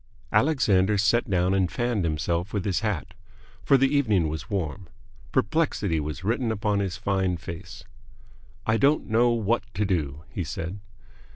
Alexander sat down and fanned himself with his hat, for the evening was warm. Perplexity was written upon his fine face. "I don't know what to do," he said.